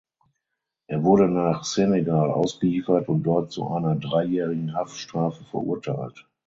Er wurde nach Senegal ausgeliefert und dort zu einer dreijährigen Haftstrafe verurteilt.